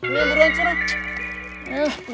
ini yang beroncuran